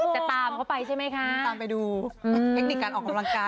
จะตามเขาไปใช่ไหมคะตามไปดูเทคนิคการออกกำลังกาย